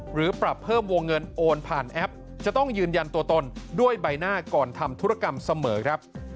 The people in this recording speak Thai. หรือปรับเพิ่มวงเงินโอนผ่านแอปจะต้องยืนยันตัวตนด้วยใบหน้าก่อนทำธุรกรรมเสมอครับ